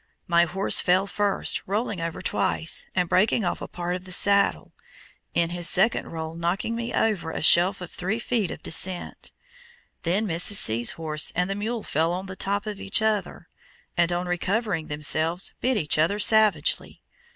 My horse fell first, rolling over twice, and breaking off a part of the saddle, in his second roll knocking me over a shelf of three feet of descent. Then Mrs. C.'s horse and the mule fell on the top of each other, and on recovering themselves bit each other savagely.